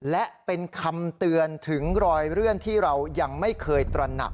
และเป็นคำเตือนถึงรอยเลื่อนที่เรายังไม่เคยตระหนัก